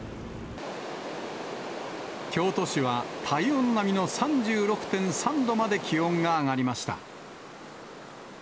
京都市は体温並みの３６．３度まで気温が上がりました。